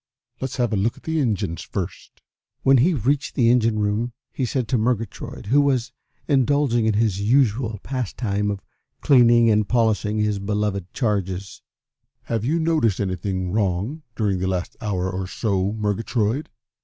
Let's have a look at the engines first." When he reached the engine room he said to Murgatroyd, who was indulging in his usual pastime of cleaning and polishing his beloved charges: "Have you noticed anything wrong during the last hour or so, Murgatroyd?"